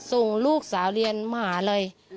ส่งลูกสาวเรียนมหาเลย